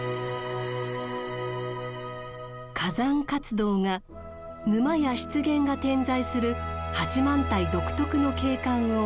火山活動が沼や湿原が点在する八幡平独特の景観を生み出したのです。